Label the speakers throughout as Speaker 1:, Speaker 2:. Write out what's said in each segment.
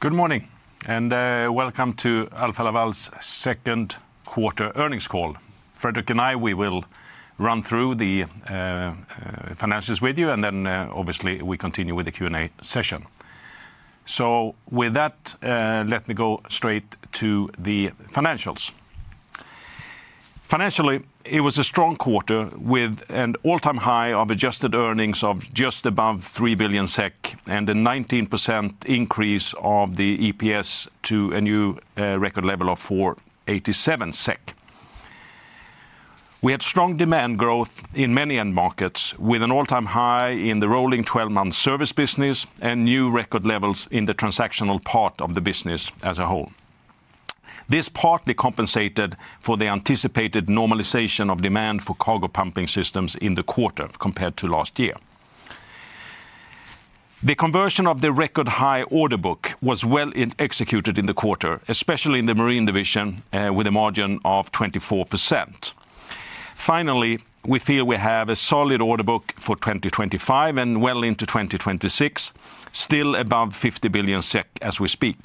Speaker 1: Good morning and welcome to Alfa Laval's Second Quarter Earnings Call. Fredrik and I, we will run through the financials with you, and then obviously we continue with the Q&A session. With that, let me go straight to the financials. Financially, it was a strong quarter with an all-time high of adjusted earnings of just above 3 billion SEK and a 19% increase of the EPS to a new record level of 487 SEK. We had strong demand growth in many end markets with an all-time high in the rolling 12-month service business and new record levels in the transactional part of the business as a whole. This partly compensated for the anticipated normalization of demand for cargo pumping systems in the quarter compared to last year. The conversion of the record-high order book was well executed in the quarter, especially in the Marine Division with a margin of 24%. Finally, we feel we have a solid order book for 2025 and well into 2026, still above 50 billion SEK as we speak.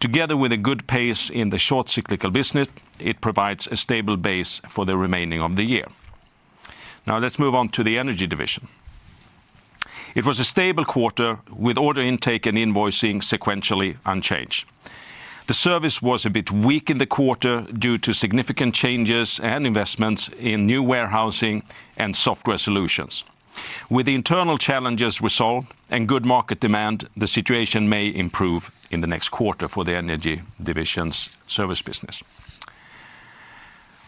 Speaker 1: Together with a good pace in the short cyclical business, it provides a stable base for the remaining of the year. Now let's move on to the Energy Division. It was a stable quarter with order intake and invoicing sequentially unchanged. The service was a bit weak in the quarter due to significant changes and investments in new warehousing and software solutions. With the internal challenges resolved and good market demand, the situation may improve in the next quarter for the Energy Division's service business.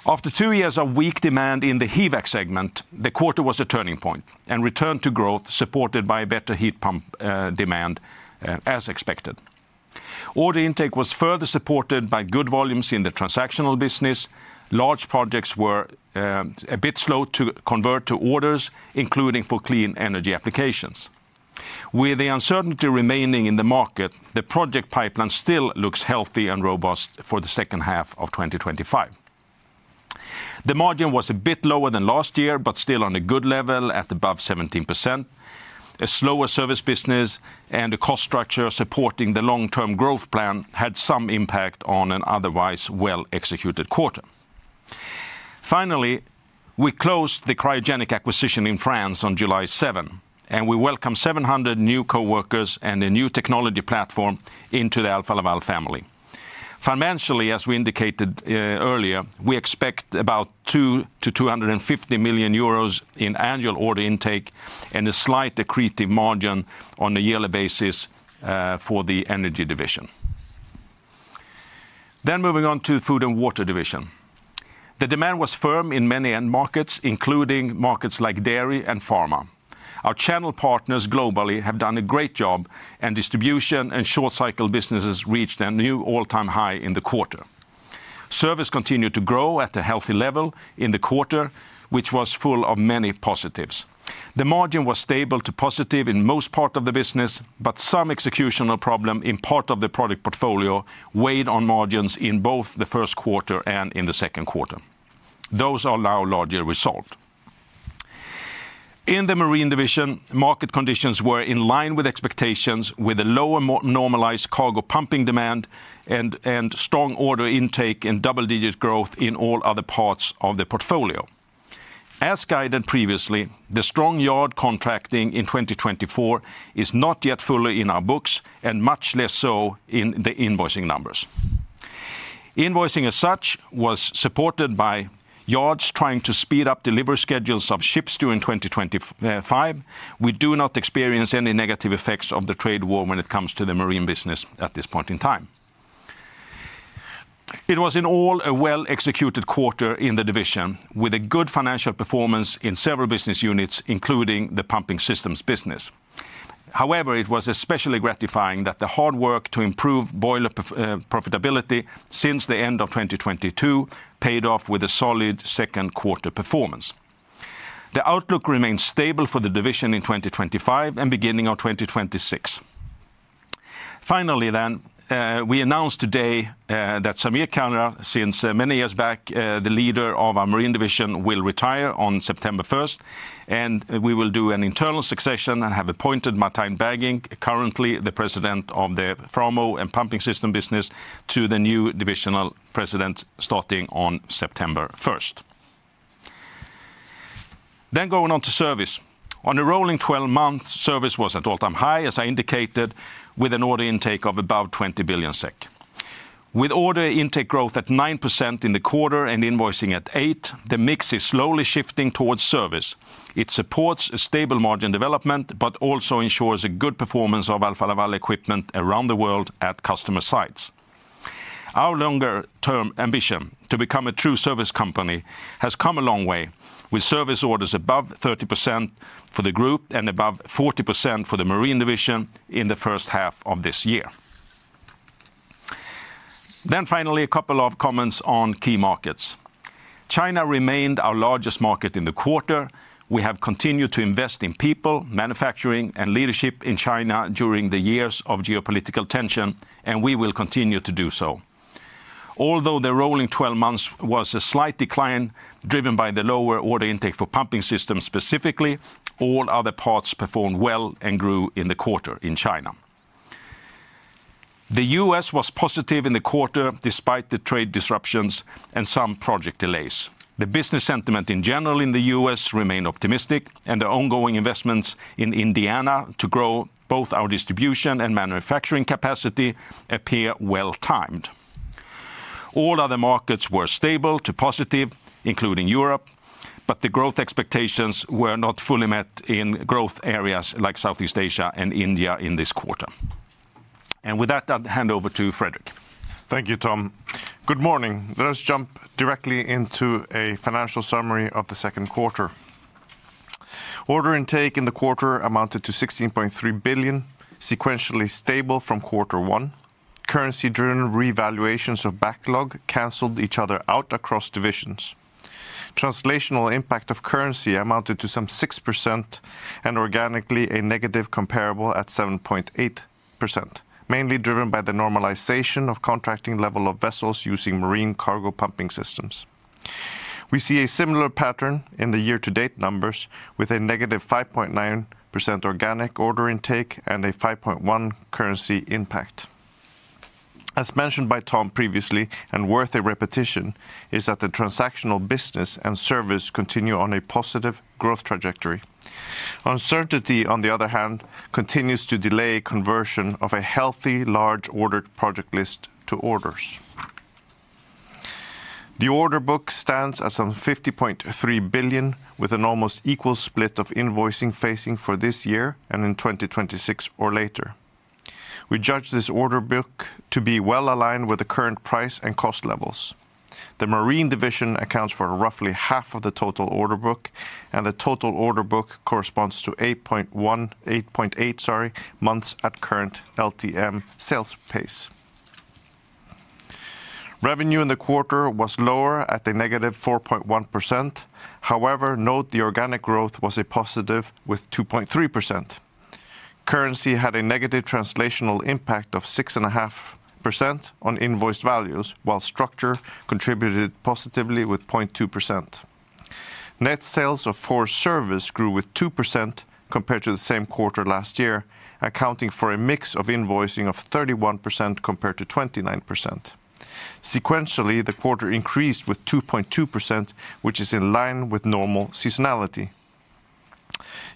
Speaker 1: After two years of weak demand in the HVAC segment, the quarter was a turning point and returned to growth supported by better heat pump demand as expected. Order intake was further supported by good volumes in the transactional business. Large projects were a bit slow to convert to orders, including for clean energy applications. With the uncertainty remaining in the market, the project pipeline still looks healthy and robust for the second half of 2025. The margin was a bit lower than last year, but still on a good level at above 17%. A slower service business and a cost structure supporting the long-term growth plan had some impact on an otherwise well-executed quarter. Finally, we closed the cryogenic acquisition in France on July 7, and we welcomed 700 new coworkers and a new technology platform into the Alfa Laval family. Financially, as we indicated earlier, we expect about 200 million-250 million euros in annual order intake and a slight accretive margin on a yearly basis for the Energy Division. Moving Food & Water Division. The demand was firm in many end markets, including markets like dairy and pharma. Our channel partners globally have done a great job, and distribution and short-cycle businesses reached a new all-time high in the quarter. Service continued to grow at a healthy level in the quarter, which was full of many positives. The margin was stable to positive in most parts of the business, but some executional problem in part of the product portfolio weighed on margins in both the first quarter and in the second quarter. Those are now largely resolved. In the Marine Division, market conditions were in line with expectations, with a lower normalized cargo pumping demand and strong order intake and double-digit growth in all other parts of the portfolio. As guided previously, the strong yard contracting in 2024 is not yet fully in our books, and much less so in the invoicing numbers. Invoicing as such was supported by yards trying to speed up delivery schedules of ships during 2025. We do not experience any negative effects of the trade war when it comes to the marine business at this point in time. It was in all a well-executed quarter in the division, with a good financial performance in several business units, including the Pumping Systems business. However, it was especially gratifying that the hard work to improve boiler profitability since the end of 2022 paid off with a solid second quarter performance. The outlook remains stable for the division in 2025 and beginning of 2026. Finally, we announced today that Sameer Kalra, since many years back the leader of our Marine Division, will retire on September 1st, and we will do an internal succession and have appointed Martijn Bergink, currently the President of the Framo and Pumping Systems business, to the new divisional president starting on September 1st. Going on to service. On a rolling 12-month, service was at all-time high, as I indicated, with an order intake of above 20 billion SEK. With order intake growth at 9% in the quarter and invoicing at 8%, the mix is slowly shifting towards service. It supports a stable margin development, but also ensures a good performance of Alfa Laval equipment around the world at customer sites. Our longer-term ambition to become a true service company has come a long way, with service orders above 30% for the group and above 40% for the Marine Division in the first half of this year. Finally, a couple of comments on key markets. China remained our largest market in the quarter. We have continued to invest in people, manufacturing, and leadership in China during the years of geopolitical tension, and we will continue to do so. Although the rolling 12 months was a slight decline driven by the lower order intake for Pumping Systems specifically, all other parts performed well and grew in the quarter in China. The U.S. was positive in the quarter despite the trade disruptions and some project delays. The business sentiment in general in the U.S. remained optimistic, and the ongoing investments in Indiana to grow both our distribution and manufacturing capacity appear well-timed. All other markets were stable to positive, including Europe, but the growth expectations were not fully met in growth areas like Southeast Asia and India in this quarter. With that, I'll hand over to Fredrik.
Speaker 2: Thank you, Tom. Good morning. Let us jump directly into a financial summary of the second quarter. Order intake in the quarter amounted to 16.3 billion, sequentially stable from quarter one. Currency-driven revaluations of backlog canceled each other out across divisions. Translational impact of currency amounted to some 6% and organically a negative comparable at 7.8%, mainly driven by the normalization of contracting level of vessels using marine cargo pumping systems. We see a similar pattern in the year-to-date numbers with a negative 5.9% organic order intake and a 5.1% currency impact. As mentioned by Tom previously, and worth a repetition, is that the transactional business and service continue on a positive growth trajectory. Uncertainty, on the other hand, continues to delay conversion of a healthy large order project list to orders. The order book stands at some 50.3 billion, with an almost equal split of invoicing facing for this year and in 2026 or later. We judge this order book to be well aligned with the current price and cost levels. The Marine Division accounts for roughly half of the total order book, and the total order book corresponds to 8.1, 8.8 months at current LTM sales pace. Revenue in the quarter was lower at a -4.1%. However, note the organic growth was a positive with 2.3%. Currency had a negative translational impact of 6.5% on invoiced values, while structure contributed positively with 0.2%. Net sales for service grew with 2% compared to the same quarter last year, accounting for a mix of invoicing of 31% compared to 29%. Sequentially, the quarter increased with 2.2%, which is in line with normal seasonality.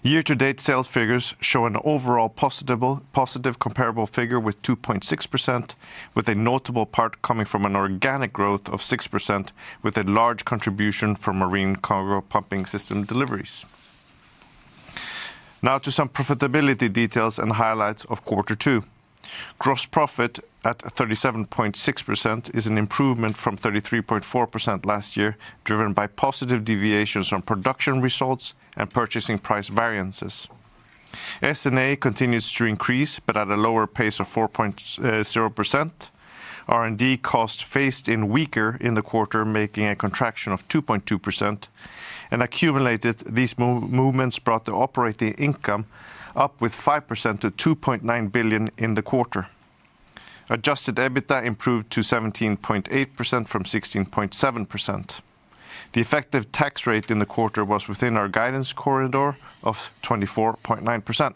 Speaker 2: Year-to-date sales figures show an overall positive comparable figure with 2.6%, with a notable part coming from an organic growth of 6%, with a large contribution from marine cargo pumping system deliveries. Now to some profitability details and highlights of quarter two. Gross profit at 37.6% is an improvement from 33.4% last year, driven by positive deviations on production results and purchasing price variances. S&A continues to increase, but at a lower pace of 4.0%. R&D cost faced in weaker in the quarter, making a contraction of 2.2%. And accumulated, these movements brought the operating income up with 5% to 2.9 billion in the quarter. Adjusted EBITDA improved to 17.8% from 16.7%. The effective tax rate in the quarter was within our guidance corridor of 24.9%.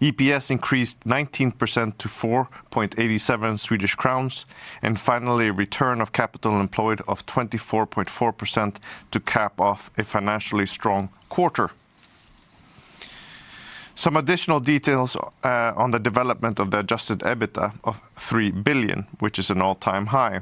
Speaker 2: EPS increased 19% to 4.87 Swedish crowns, and finally a return on capital employed of 24.4% to cap off a financially strong quarter. Some additional details on the development of the adjusted EBITDA of 3 billion, which is an all-time high.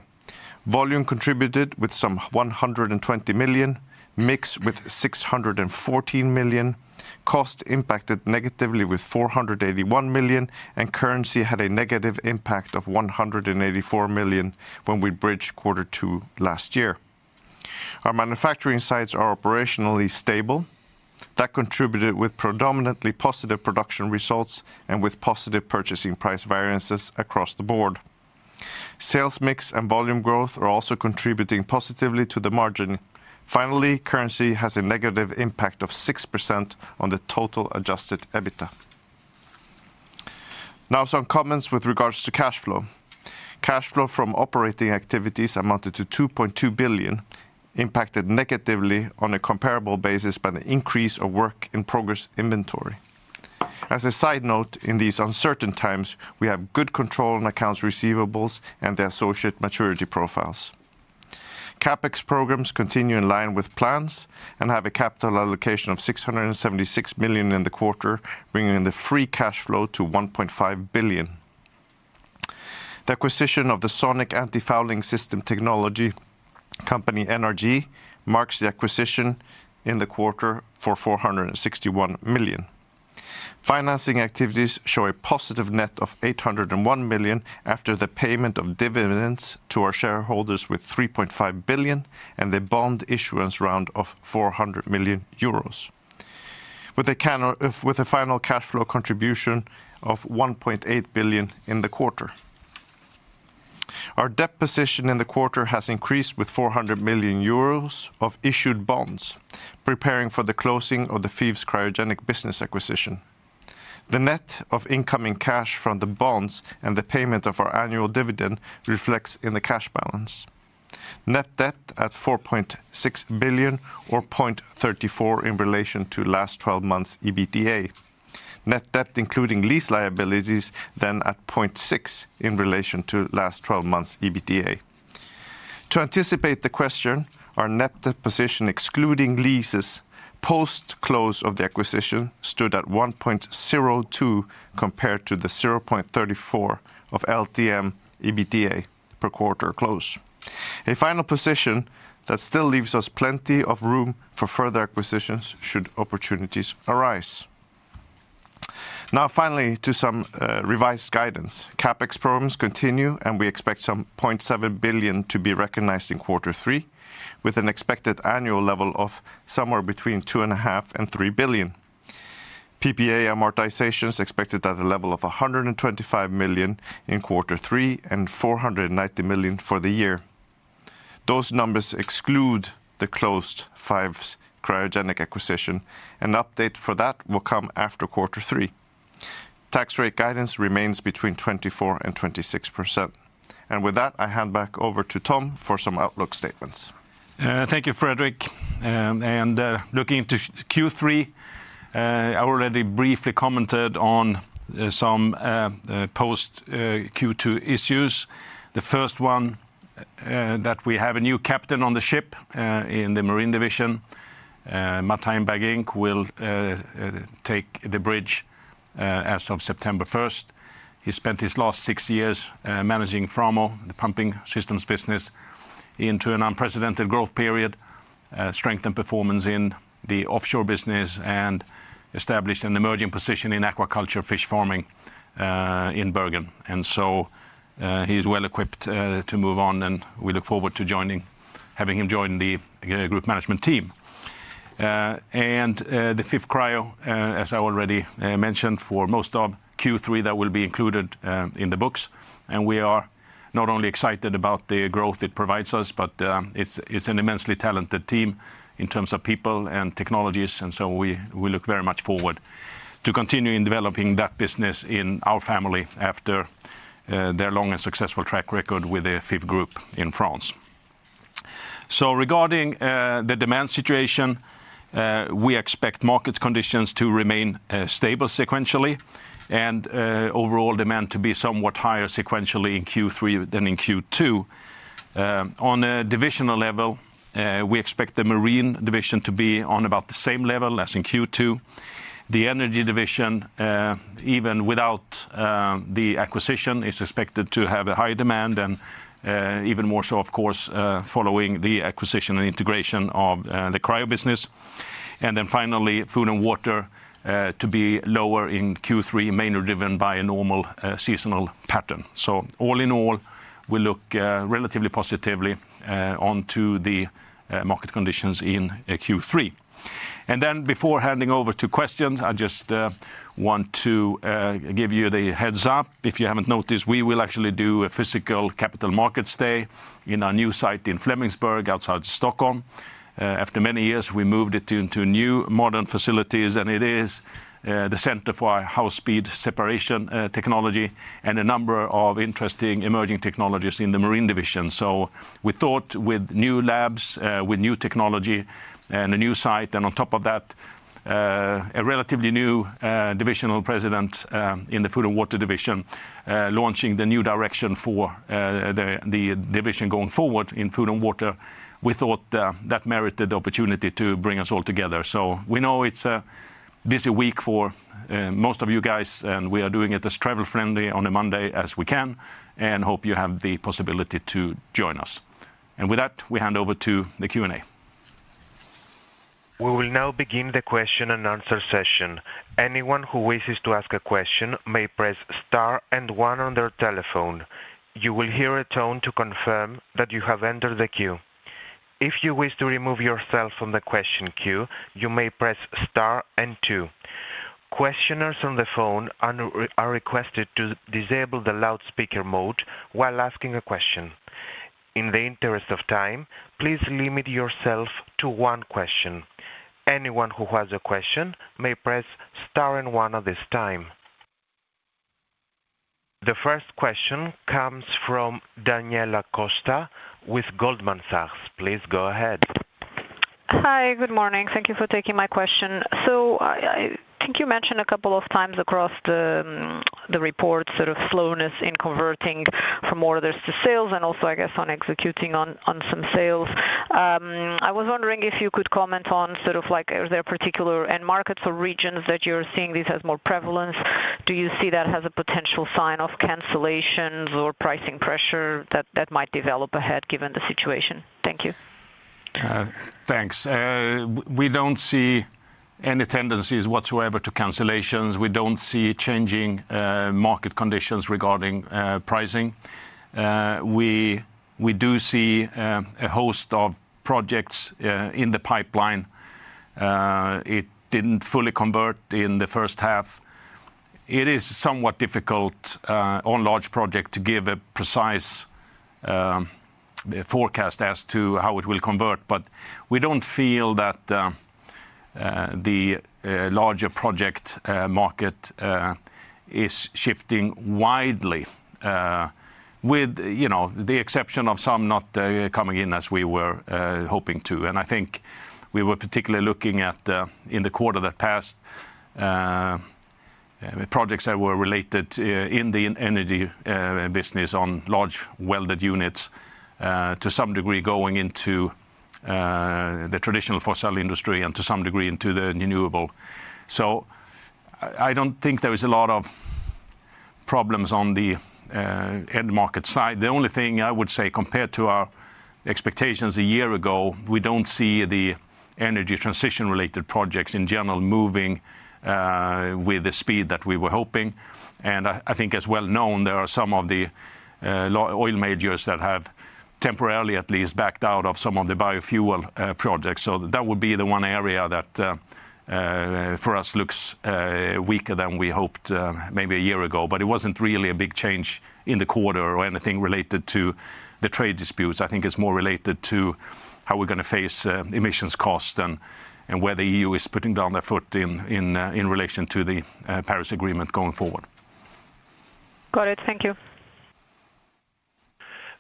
Speaker 2: Volume contributed with some 120 million, mix with 614 million. Cost impacted negatively with 481 million, and currency had a negative impact of 184 million when we bridged quarter two last year. Our manufacturing sites are operationally stable. That contributed with predominantly positive production results and with positive purchasing price variances across the board. Sales mix and volume growth are also contributing positively to the margin. Finally, currency has a negative impact of 6% on the total adjusted EBITDA. Now some comments with regards to cash flow. Cash flow from operating activities amounted to 2.2 billion, impacted negatively on a comparable basis by the increase of work-in-progress inventory. As a side note, in these uncertain times, we have good control on accounts receivables and the associated maturity profiles. CapEx programs continue in line with plans and have a capital allocation of 676 million in the quarter, bringing the free cash flow to 1.5 billion. The acquisition of the sonic anti-fouling system technology company, NRG, marks the acquisition in the quarter for 461 million. Financing activities show a positive net of 801 million after the payment of dividends to our shareholders with 3.5 billion and the bond issuance round of 400 million euros. With a final cash flow contribution of 1.8 billion in the quarter. Our debt position in the quarter has increased with 400 million euros of issued bonds, preparing for the closing of the Fives Cryogenic business acquisition. The net of incoming cash from the bonds and the payment of our annual dividend reflects in the cash balance. Net debt at SEK 4.6 billion, or 0.34 in relation to last 12 months EBITDA. Net debt, including lease liabilities, then at 0.6 in relation to last 12 months EBITDA. To anticipate the question, our net debt position, excluding leases post-close of the acquisition, stood at 1.02 compared to the 0.34 of LTM EBITDA per quarter close. A final position that still leaves us plenty of room for further acquisitions should opportunities arise. Now finally to some revised guidance. CapEx programs continue, and we expect some 0.7 billion to be recognized in quarter three, with an expected annual level of somewhere between 2.5 billion and 3 billion. PPA amortization is expected at a level of 125 million in quarter three and 490 million for the year. Those numbers exclude the closed Fives Cryogenic acquisition, and an update for that will come after quarter three. Tax rate guidance remains between 24% and 26%. With that, I hand back over to Tom for some outlook statements.
Speaker 1: Thank you, Fredrik. Looking into Q3, I already briefly commented on some post-Q2 issues. The first one is that we have a new captain on the ship in the Marine Division. Martijn Bergink will take the bridge as of September 1st. He spent his last six years managing Framo, the Pumping Systems business, into an unprecedented growth period, strengthened performance in the offshore business, and established an emerging position in aquaculture fish farming in Bergen. He is well equipped to move on, and we look forward to having him join the group management team. The Fives Cryo, as I already mentioned, for most of Q3, that will be included in the books. We are not only excited about the growth it provides us, but it is an immensely talented team in terms of people and technologies. We look very much forward to continuing developing that business in our family after their long and successful track record with the Fives Group in France. Regarding the demand situation, we expect market conditions to remain stable sequentially, and overall demand to be somewhat higher sequentially in Q3 than in Q2. On a divisional level, we expect the Marine Division to be on about the same level as in Q2. The Energy Division, even without the acquisition, is expected to have a higher demand, and even more so, of course, following the acquisition and integration of the cryo business. Finally, Food & Water is to be lower in Q3, mainly driven by a normal seasonal pattern. All in all, we look relatively positively onto the market conditions in Q3. Before handing over to questions, I just want to give you the heads-up. If you have not noticed, we will actually do a physical Capital Markets Day in our new site in Flemingsberg outside Stockholm. After many years, we moved it into new modern facilities, and it is the center for our high-speed separation technology and a number of interesting emerging technologies in the Marine Division. We thought with new labs, with new technology, and a new site, and on top of that, a relatively new divisional president in the Food & Water Division launching the new direction for the division going forward in Food & Water, we thought that merited the opportunity to bring us all together. We know it is a busy week for most of you guys, and we are doing it as travel-friendly on a Monday as we can, and hope you have the possibility to join us. With that, we hand over to the Q&A.
Speaker 3: We will now begin the question-and-answer session. Anyone who wishes to ask a question may press star and one on their telephone. You will hear a tone to confirm that you have entered the queue. If you wish to remove yourself from the question queue, you may press star and two. Questioners on the phone are requested to disable the loudspeaker mode while asking a question. In the interest of time, please limit yourself to one question. Anyone who has a question may press star and one at this time. The first question comes from Daniela Costa with Goldman Sachs. Please go ahead.
Speaker 4: Hi, good morning. Thank you for taking my question. I think you mentioned a couple of times across the report sort of slowness in converting from orders to sales and also, I guess, on executing on some sales. I was wondering if you could comment on sort of like is there a particular end market or regions that you're seeing this as more prevalence? Do you see that as a potential sign of cancellations or pricing pressure that might develop ahead given the situation? Thank you.
Speaker 1: Thanks. We do not see any tendencies whatsoever to cancellations. We do not see changing market conditions regarding pricing. We do see a host of projects in the pipeline. It did not fully convert in the first half. It is somewhat difficult on large projects to give a precise forecast as to how it will convert, but we do not feel that the larger project market is shifting widely, with the exception of some not coming in as we were hoping to. I think we were particularly looking at, in the quarter that passed, projects that were related in the Energy business on large welded units to some degree going into the traditional fossil industry and to some degree into the renewable. I do not think there is a lot of problems on the end market side. The only thing I would say compared to our expectations a year ago, we do not see the energy transition-related projects in general moving with the speed that we were hoping. I think, as well known, there are some of the oil majors that have temporarily at least backed out of some of the biofuel projects. That would be the one area that for us looks weaker than we hoped maybe a year ago, but it was not really a big change in the quarter or anything related to the trade disputes. I think it is more related to how we are going to face emissions costs and where the EU is putting down their foot in relation to the Paris Agreement going forward.
Speaker 4: Got it. Thank you.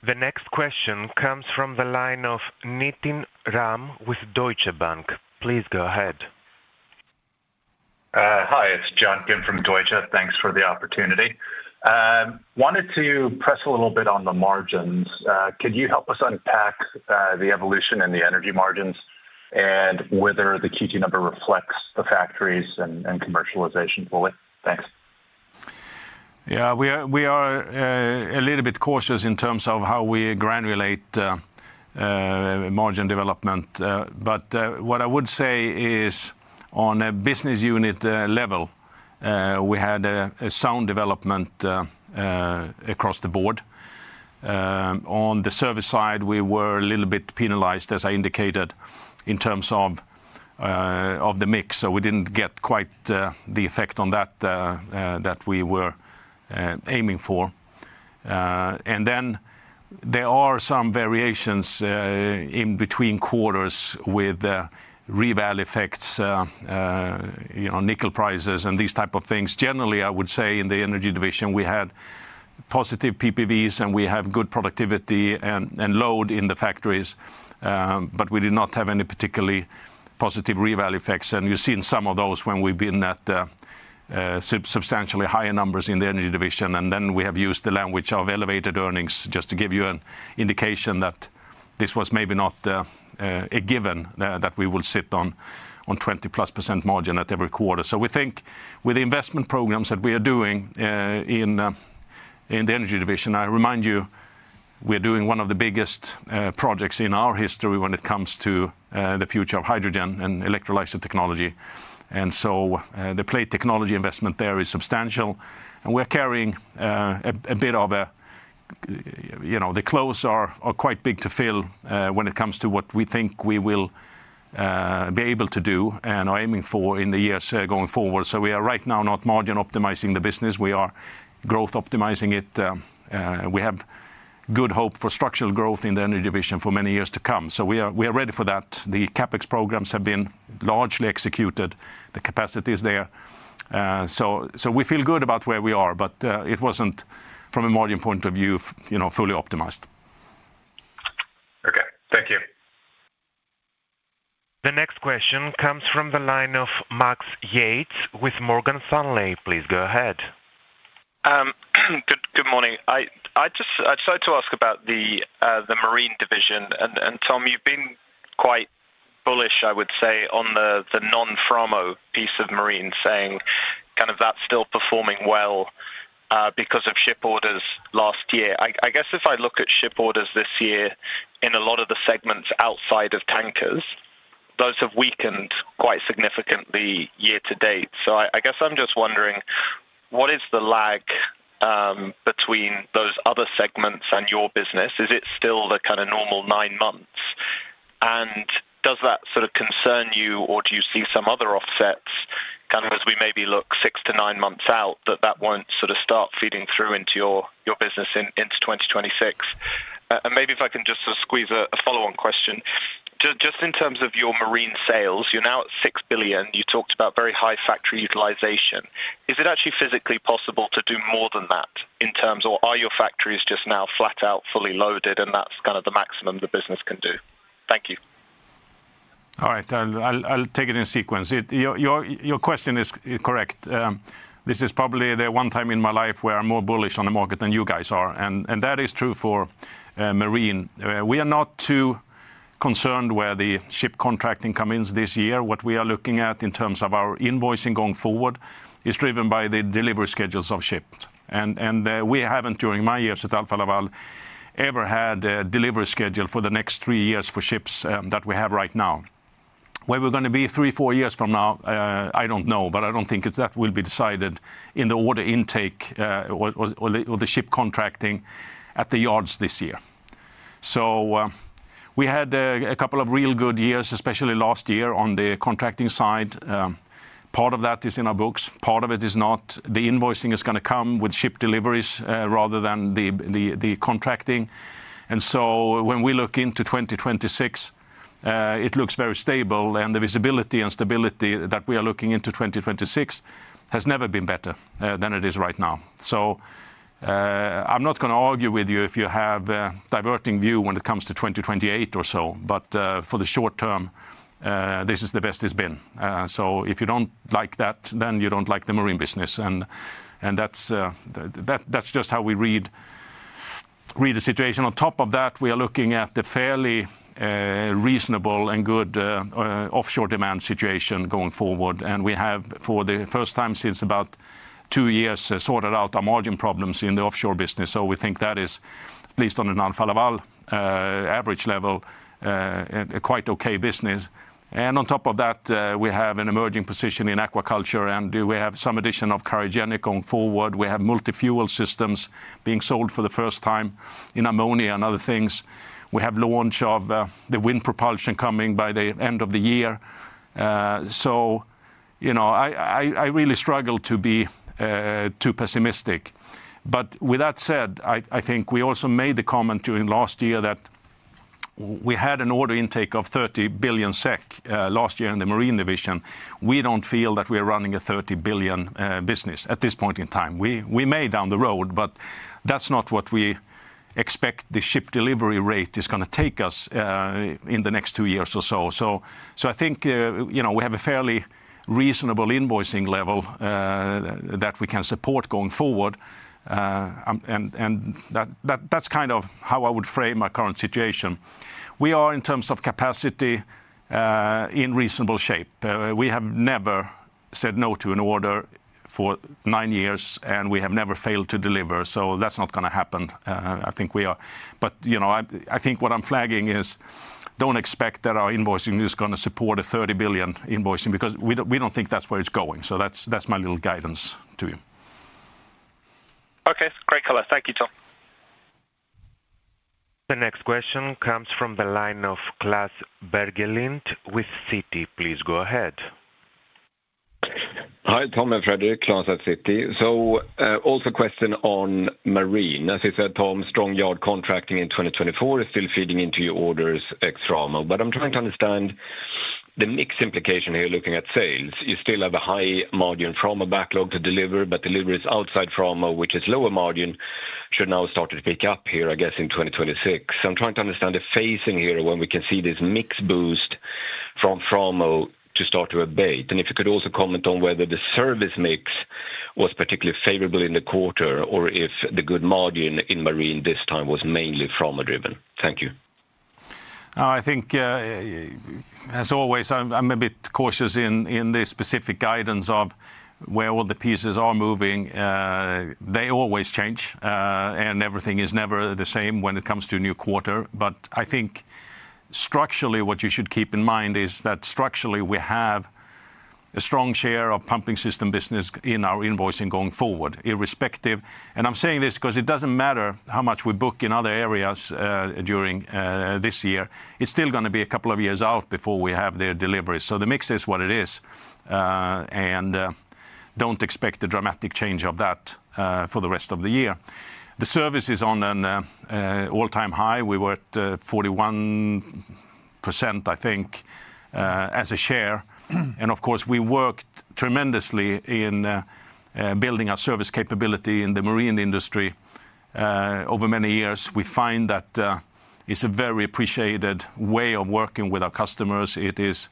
Speaker 3: The next question comes from the line of Nitin Ram with Deutsche Bank. Please go ahead.
Speaker 5: Hi, it's John Kim from Deutsche. Thanks for the opportunity. Wanted to press a little bit on the margins. Could you help us unpack the evolution in the Energy margins and whether the Q2 number reflects the factories and commercialization fully? Thanks.
Speaker 1: Yeah, we are a little bit cautious in terms of how we granulate margin development. What I would say is on a business-unit level, we had a sound development across the board. On the service side, we were a little bit penalized, as I indicated, in terms of the mix. We did not get quite the effect on that that we were aiming for. There are some variations in between quarters with revalue effects, nickel prices, and these type of things. Generally, I would say in the Energy Division, we had positive PPVs and we have good productivity and load in the factories. We did not have any particularly positive revalue effects. You have seen some of those when we have been at substantially higher numbers in the Energy Division. We have used the language of elevated earnings just to give you an indication that this was maybe not a given that we will sit on 20+% margin at every quarter. We think with the investment programs that we are doing in the Energy Division—I remind you, we are doing one of the biggest projects in our history when it comes to the future of hydrogen and electrolyzer technology—the plate technology investment there is substantial. We are carrying a bit of a, the clothes are quite big to fill when it comes to what we think we will be able to do and are aiming for in the years going forward. We are right now not margin optimizing the business. We are growth optimizing it. We have good hope for structural growth in the Energy Division for many years to come. We are ready for that. The CapEx programs have been largely executed. The capacity is there. We feel good about where we are, but it was not from a margin point of view fully optimized.
Speaker 5: Okay. Thank you.
Speaker 3: The next question comes from the line of Max Yates with Morgan Stanley. Please go ahead.
Speaker 6: Good morning. I just like to ask about the Marine Division. Tom, you've been quite bullish, I would say, on the non-Framo piece of Marine, saying kind of that's still performing well because of ship orders last year. I guess if I look at ship orders this year in a lot of the segments outside of tankers, those have weakened quite significantly year-to-date. I guess I'm just wondering, what is the lag between those other segments and your business? Is it still the kind of normal nine months? Does that sort of concern you, or do you see some other offsets kind of as we maybe look six to nine months out that that won't sort of start feeding through into your business into 2026? Maybe if I can just squeeze a follow-on question. In terms of your Marine sales, you're now at 6 billion. You talked about very high factory utilization. Is it actually physically possible to do more than that in terms of, are your factories just now flat out fully loaded and that's kind of the maximum the business can do? Thank you.
Speaker 1: All right. I'll take it in sequence. Your question is correct. This is probably the one time in my life where I'm more bullish on the market than you guys are. That is true for Marine. We are not too concerned where the ship contracting comes in this year. What we are looking at in terms of our invoicing going forward is driven by the delivery schedules of ships. I have not during my years at Alfa Laval ever had a delivery schedule for the next three years for ships that we have right now. Where we're going to be three, four years from now, I don't know, but I don't think that will be decided in the order intake or the ship contracting at the yards this year. We had a couple of real good years, especially last year on the contracting side. Part of that is in our books. Part of it is not. The invoicing is going to come with ship deliveries rather than the contracting. When we look into 2026, it looks very stable. The visibility and stability that we are looking into 2026 has never been better than it is right now. I'm not going to argue with you if you have a diverting view when it comes to 2028 or so, but for the short term, this is the best it's been. If you don't like that, then you don't like the Marine business. That's just how we read the situation. On top of that, we are looking at the fairly reasonable and good offshore demand situation going forward. We have, for the first time since about two years, sorted out our margin problems in the offshore business. We think that is, at least on an Alfa Laval average level, a quite okay business. On top of that, we have an emerging position in aquaculture. We have some addition of cryogenic going forward. We have multi-fuel systems being sold for the first time in ammonia and other things. We have launch of the wind propulsion coming by the end of the year. I really struggle to be too pessimistic. With that said, I think we also made the comment during last year that we had an order intake of 30 billion SEK last year in the Marine Division. We do not feel that we are running a 30 billion business at this point in time. We may down the road, but that's not what we expect the ship delivery rate is going to take us in the next two years or so. I think we have a fairly reasonable invoicing level that we can support going forward. That's kind of how I would frame our current situation. We are, in terms of capacity, in reasonable shape. We have never said no to an order for nine years, and we have never failed to deliver. That's not going to happen, I think we are. I think what I'm flagging is don't expect that our invoicing is going to support a 30 billion invoicing because we don't think that's where it's going. That's my little guidance to you.
Speaker 6: Okay. Great color. Thank you, Tom.
Speaker 3: The next question comes from the line of Klas Bergelind with Citi. Please go ahead.
Speaker 7: Hi, Tom and Fredrik, Klas at Citi. Also a question on Marine. As you said, Tom, strong yard contracting in 2024 is still feeding into your orders ex Framo. I'm trying to understand the mix implication here looking at sales. You still have a high margin Framo backlog to deliver, but deliveries outside Framo, which is lower margin, should now start to pick up here, I guess, in 2026. I'm trying to understand the phasing here when we can see this mix boost from Framo start to abate. If you could also comment on whether the service mix was particularly favorable in the quarter or if the good margin in Marine this time was mainly Framo driven. Thank you.
Speaker 1: I think. As always, I'm a bit cautious in the specific guidance of where all the pieces are moving. They always change and everything is never the same when it comes to a new quarter. I think structurally, what you should keep in mind is that structurally we have a strong share of pumping system business in our invoicing going forward, irrespective. I'm saying this because it doesn't matter how much we book in other areas during this year. It's still going to be a couple of years out before we have their delivery. The mix is what it is. Do not expect a dramatic change of that for the rest of the year. The service is on an all-time high. We were at 41% I think as a share. Of course, we worked tremendously in building our service capability in the marine industry over many years. We find that it's a very appreciated way of working with our customers. It is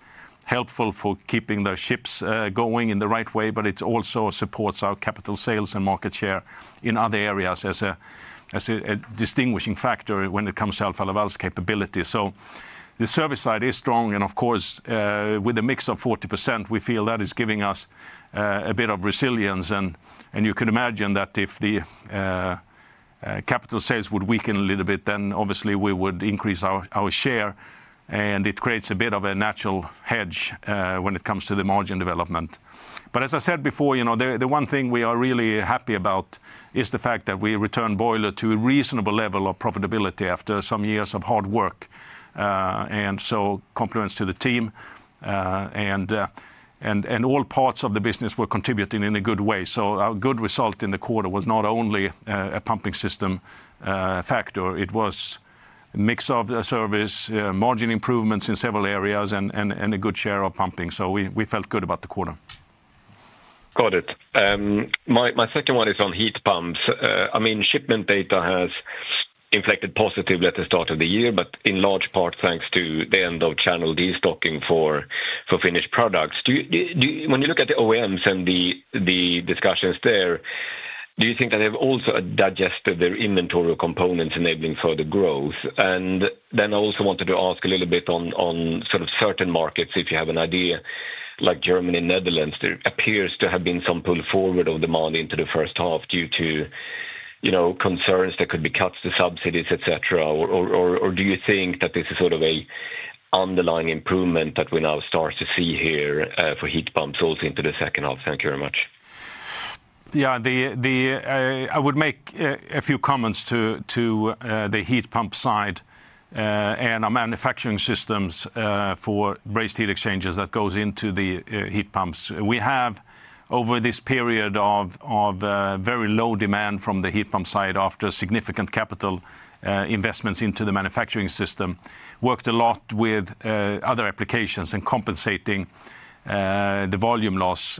Speaker 1: helpful for keeping their ships going in the right way, but it also supports our capital sales and market share in other areas as a distinguishing factor when it comes to Alfa Laval's capability. The service side is strong. Of course, with a mix of 40%, we feel that is giving us a bit of resilience. You can imagine that if the capital sales would weaken a little bit, then obviously we would increase our share. It creates a bit of a natural hedge when it comes to the margin development. As I said before, the one thing we are really happy about is the fact that we returned Boiler to a reasonable level of profitability after some years of hard work. Compliments to the team. All parts of the business were contributing in a good way. Our good result in the quarter was not only a pumping system factor. It was a mix of service, margin improvements in several areas, and a good share of pumping. We felt good about the quarter.
Speaker 7: Got it. My second one is on heat pumps. I mean, shipment data has inflicted positive letter start of the year, but in large part thanks to the end of channel destocking for finished products. When you look at the OEMs and the discussions there, do you think that they've also digested their inventory components enabling further growth? I also wanted to ask a little bit on sort of certain markets, if you have an idea, like Germany, Netherlands, there appears to have been some pull forward of demand into the first half due to concerns that could be cuts to subsidies, et cetera. Do you think that this is sort of an underlying improvement that we now start to see here for heat pumps also into the second half? Thank you very much.
Speaker 1: Yeah. I would make a few comments to the heat pump side and our manufacturing systems for braised heat exchangers that goes into the heat pumps. We have, over this period of very low demand from the heat pump side after significant capital investments into the manufacturing system, worked a lot with other applications and compensating the volume loss.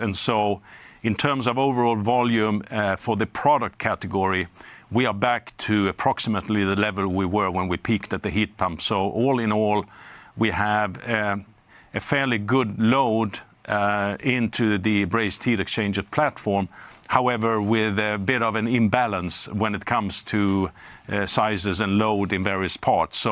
Speaker 1: In terms of overall volume for the product category, we are back to approximately the level we were when we peaked at the heat pump. All in all, we have a fairly good load into the braised heat exchanger platform. However, with a bit of an imbalance when it comes to sizes and load in various parts.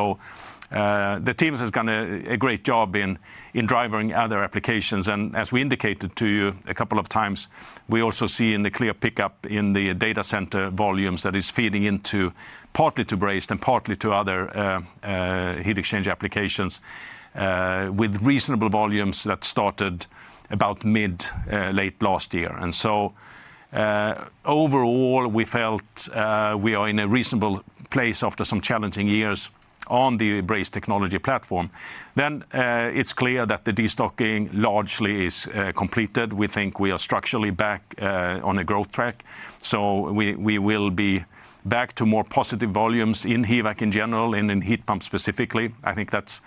Speaker 1: The team has done a great job in driving other applications. As we indicated to you a couple of times, we also see a clear pickup in the data center volumes that is feeding partly into braised and partly to other heat exchange applications, with reasonable volumes that started about mid-late last year. Overall, we felt we are in a reasonable place after some challenging years on the brazed technology platform. It is clear that the destocking largely is completed. We think we are structurally back on a growth track. We will be back to more positive volumes in HVAC in general and in heat pumps specifically. I think that's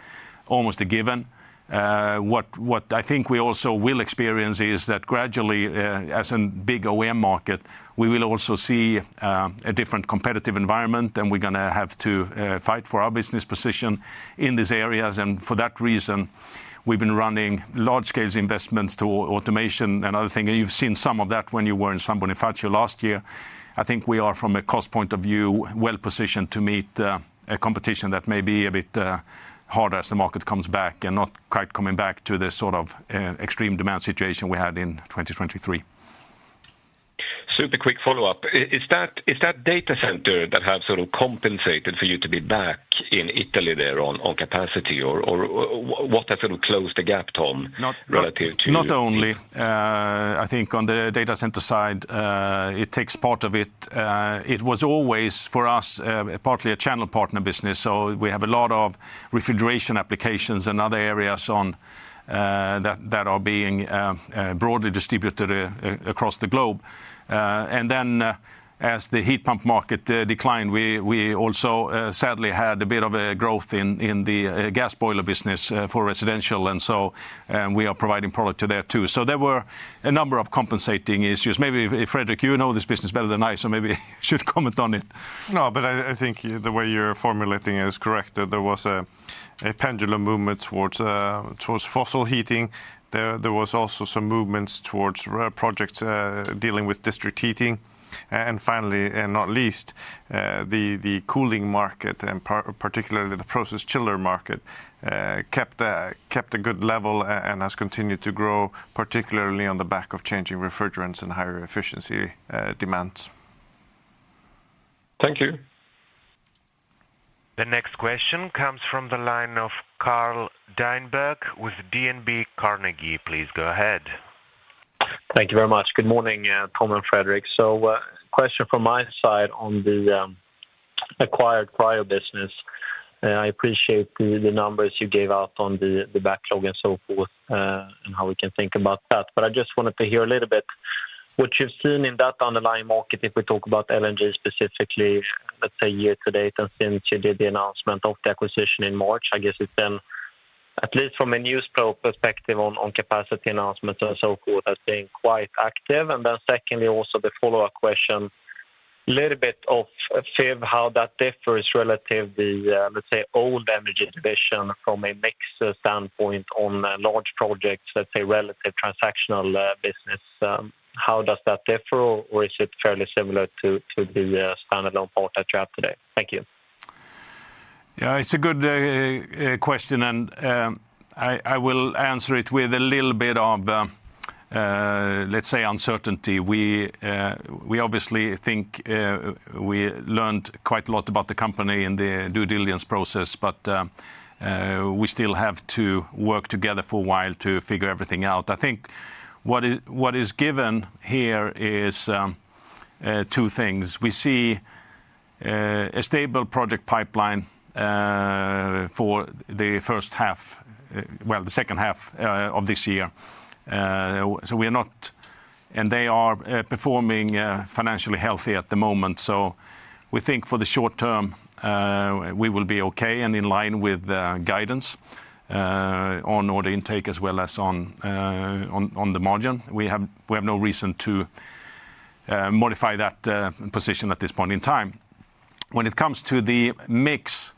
Speaker 1: almost a given. What I think we also will experience is that gradually, as a big OEM market, we will also see a different competitive environment, and we're going to have to fight for our business position in these areas. For that reason, we've been running large-scale investments to automation and other things. You have seen some of that when you were in San Bonifacio last year. I think we are, from a cost point of view, well positioned to meet a competition that may be a bit harder as the market comes back and not quite coming back to the sort of extreme demand situation we had in 2023.
Speaker 7: Super quick follow-up. Is that data center that has sort of compensated for you to be back in Italy there on capacity, or what has sort of closed the gap, Tom, relative to you?
Speaker 1: Not only. I think on the data center side, it takes part of it. It was always for us partly a channel partner business. We have a lot of refrigeration applications and other areas that are being broadly distributed across the globe. As the heat pump market declined, we also sadly had a bit of a growth in the gas boiler business for residential. We are providing product to there too. There were a number of compensating issues. Maybe Fredrik, you know this business better than I, so maybe you should comment on it.
Speaker 2: No, but I think the way you're formulating it is correct that there was a pendulum movement towards fossil heating. There was also some movement towards projects dealing with district heating. Finally, and not least, the cooling market and particularly the process chiller market kept a good level and has continued to grow, particularly on the back of changing refrigerants and higher efficiency demands.
Speaker 7: Thank you.
Speaker 3: The next question comes from the line of Carl Deijenberg with DNB Carnegie. Please go ahead.
Speaker 8: Thank you very much. Good morning, Tom and Fredrik. A question from my side on the acquired cryo business. I appreciate the numbers you gave out on the backlog and so forth and how we can think about that. I just wanted to hear a little bit what you've seen in that underlying market if we talk about LNG specifically, let's say year-to-date and since you did the announcement of the acquisition in March. I guess it's been, at least from a news perspective on capacity announcements and so forth, quite active. Secondly, also the follow-up question. A little bit of Fives, how that differs relatively, let's say, old Energy Division from a mixed standpoint on large projects, let's say, relative transactional business. How does that differ, or is it fairly similar to the stand-alone part that you have today? Thank you.
Speaker 1: Yeah, it's a good question, and I will answer it with a little bit of, let's say, uncertainty. We obviously think we learned quite a lot about the company in the due diligence process, but we still have to work together for a while to figure everything out. I think what is given here is two things. We see a stable project pipeline for the first half, well, the second half of this year. We are not, and they are performing financially healthy at the moment. We think for the short term we will be okay and in line with guidance on order intake as well as on the margin. We have no reason to modify that position at this point in time. When it comes to the mix,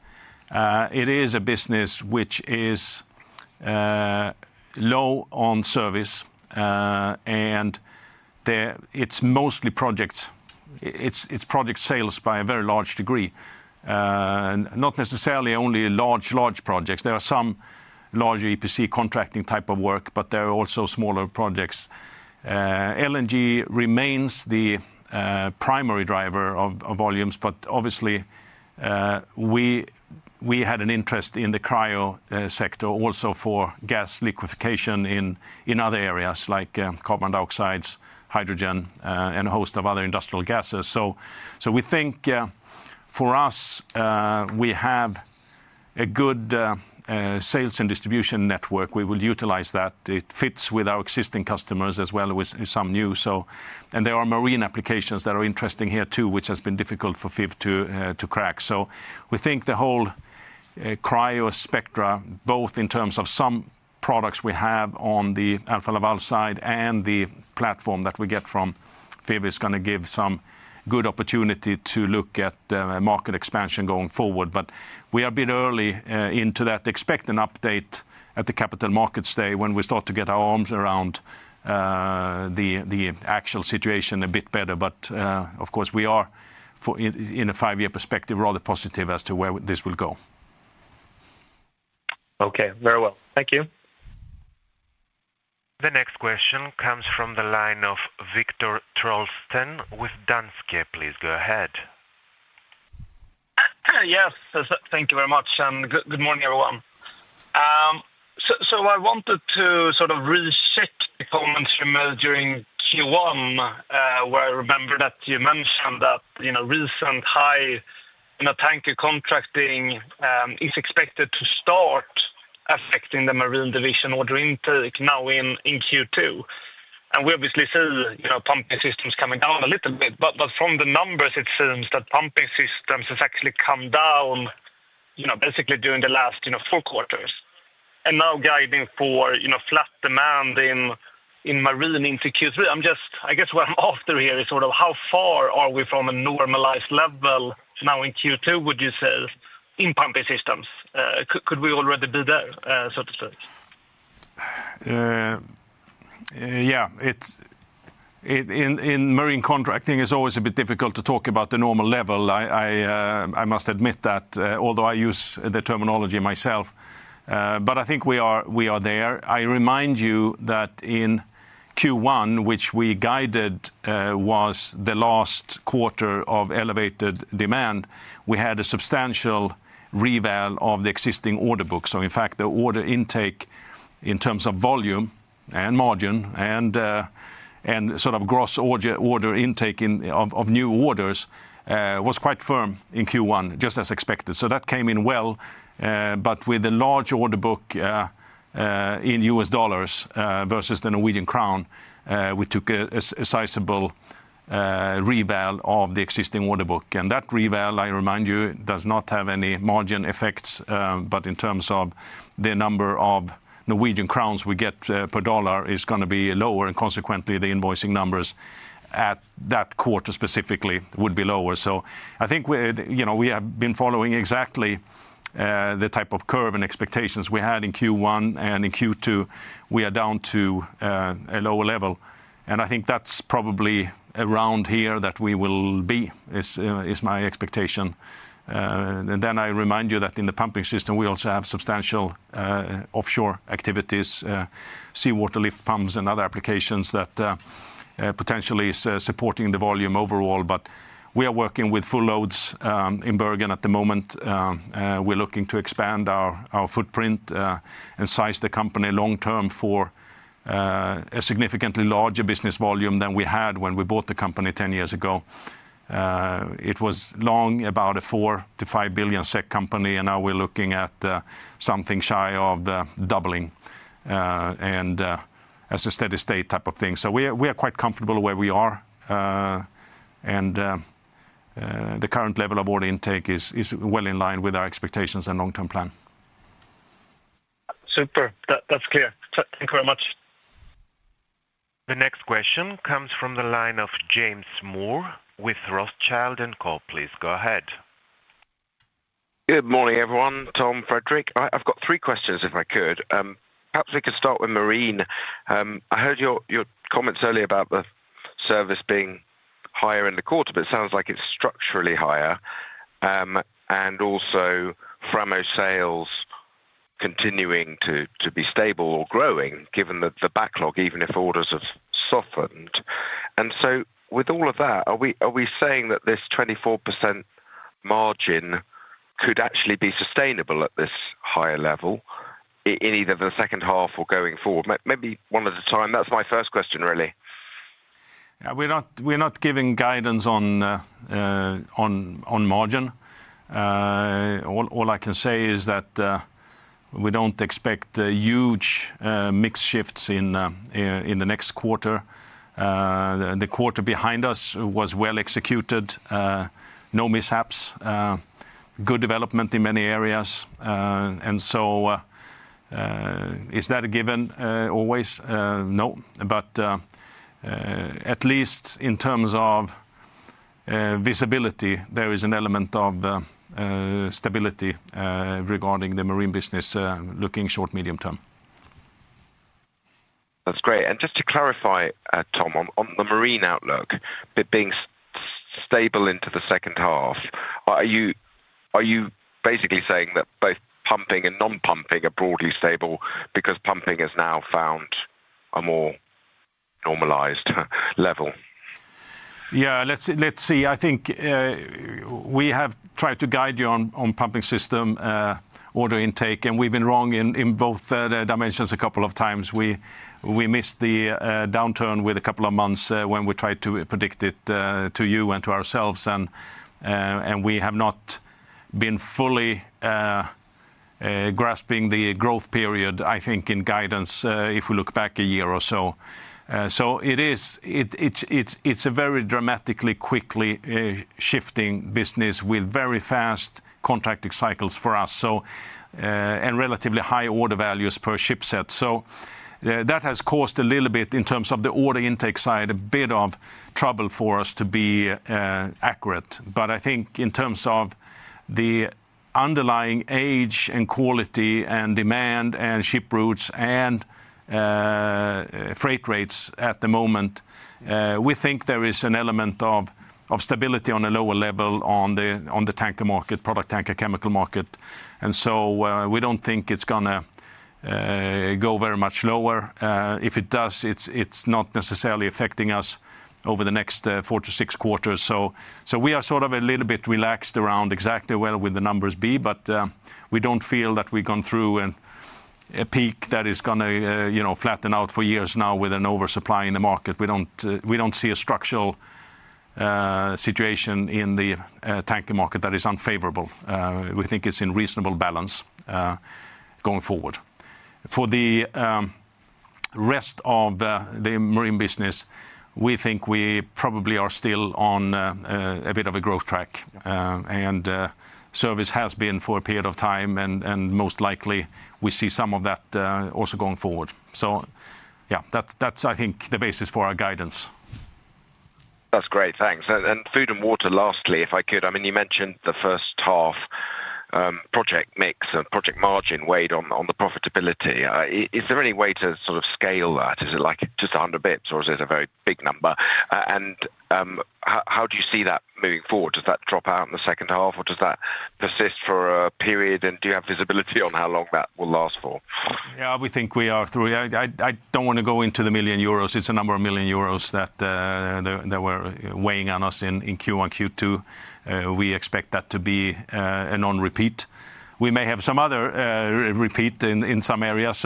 Speaker 1: it is a business which is low on service, and it's mostly projects. It's project sales by a very large degree. Not necessarily only large, large projects. There are some larger EPC contracting type of work, but there are also smaller projects. LNG remains the primary driver of volumes, but obviously we had an interest in the cryo sector also for gas liquefaction in other areas like carbon dioxides, hydrogen, and a host of other industrial gases. We think for us we have a good sales and distribution network. We will utilize that. It fits with our existing customers as well as some new. There are marine applications that are interesting here too, which has been difficult for Fives to crack. We think the whole cryo spectra, both in terms of some products we have on the Alfa Laval side and the platform that we get from Fives, is going to give some good opportunity to look at market expansion going forward. We are a bit early into that. Expect an update at the Capital Markets Day when we start to get our arms around the actual situation a bit better. Of course, we are, in a five-year perspective, rather positive as to where this will go.
Speaker 8: Okay, very well. Thank you.
Speaker 3: The next question comes from the line of Viktor Trollsten with Danske. Please go ahead.
Speaker 9: Yes, thank you very much. Good morning, everyone. I wanted to sort of revisit the comments you made during Q1, where I remember that you mentioned that recent high tanker contracting is expected to start affecting the Marine Division order intake now in Q2. We obviously see Pumping Systems coming down a little bit, but from the numbers, it seems that Pumping Systems have actually come down basically during the last four quarters. Now guiding for flat demand in Marine into Q3. I guess what I'm after here is sort of how far are we from a normalized level now in Q2, would you say, in Pumping Systems? Could we already be there, so to speak?
Speaker 1: Yeah. In Marine contracting, it's always a bit difficult to talk about the normal level. I must admit that, although I use the terminology myself. I think we are there. I remind you that in Q1, which we guided was the last quarter of elevated demand, we had a substantial reval of the existing order book. In fact, the order intake in terms of volume and margin and sort of gross order intake of new orders was quite firm in Q1, just as expected. That came in well. With a large order book in U.S. dollars versus the Norwegian crown, we took a sizable reval of the existing order book. That reval, I remind you, does not have any margin effects, but in terms of the number of Norwegian crowns we get per dollar, it's going to be lower. Consequently, the invoicing numbers at that quarter specifically would be lower. I think we have been following exactly the type of curve and expectations we had in Q1. In Q2, we are down to a lower level. I think that's probably around here that we will be, is my expectation. I remind you that in the pumping system, we also have substantial offshore activities, seawater lift pumps and other applications that potentially are supporting the volume overall. We are working with full loads in Bergen at the moment. We're looking to expand our footprint and size the company long term for a significantly larger business volume than we had when we bought the company 10 years ago. It was long about a 4 billion-5 billion SEK company, and now we're looking at something shy of doubling, as a steady state type of thing. We are quite comfortable where we are. The current level of order intake is well in line with our expectations and long-term plan.
Speaker 9: Super. That's clear. Thank you very much.
Speaker 3: The next question comes from the line of James Moore with Rothschild & Co. Please go ahead.
Speaker 10: Good morning, everyone. Tom, Fredrik. I've got three questions, if I could. Perhaps we could start with Marine. I heard your comments earlier about the service being higher in the quarter, but it sounds like it's structurally higher. Also, Framo sales continuing to be stable or growing, given the backlog, even if orders have softened. With all of that, are we saying that this 24% margin could actually be sustainable at this higher level in either the second half or going forward? Maybe one at a time. That's my first question, really.
Speaker 1: We're not giving guidance on margin. All I can say is that we don't expect huge mix shifts in the next quarter. The quarter behind us was well executed. No mishaps. Good development in many areas. Is that a given always? No. At least in terms of visibility, there is an element of stability regarding the marine business looking short, medium term.
Speaker 10: That's great. Just to clarify, Tom, on the Marine outlook, it being stable into the second half, are you basically saying that both pumping and non-pumping are broadly stable because pumping has now found a more normalized level?
Speaker 1: Yeah, let's see. I think we have tried to guide you on pumping system order intake, and we've been wrong in both dimensions a couple of times. We missed the downturn with a couple of months when we tried to predict it to you and to ourselves. We have not been fully grasping the growth period, I think, in guidance if we look back a year or so. It is a very dramatically quickly shifting business with very fast contracting cycles for us and relatively high order values per ship set. That has caused a little bit in terms of the order intake side, a bit of trouble for us to be accurate. I think in terms of the underlying age and quality and demand and ship routes and freight rates at the moment, we think there is an element of stability on a lower level on the tanker market, product tanker chemical market. We do not think it's going to go very much lower. If it does, it's not necessarily affecting us over the next four to six quarters. We are sort of a little bit relaxed around exactly where will the numbers be, but we do not feel that we've gone through a peak that is going to flatten out for years now with an oversupply in the market. We do not see a structural situation in the tanker market that is unfavorable. We think it's in reasonable balance going forward. For the rest of the Marine business, we think we probably are still on a bit of a growth track. Service has been for a period of time, and most likely we see some of that also going forward. Yeah, that's, I think, the basis for our guidance.
Speaker 10: That's great. Thanks. And Food & Water lastly, if I could. I mean, you mentioned the first half. Project mix and project margin weighed on the profitability. Is there any way to sort of scale that? Is it like just 100 basis points or is it a very big number? And how do you see that moving forward? Does that drop out in the second half or does that persist for a period? And do you have visibility on how long that will last for?
Speaker 1: Yeah, we think we are through. I do not want to go into the million euros. It is a number of million euros that were weighing on us in Q1, Q2. We expect that to be a non-repeat. We may have some other repeat in some areas.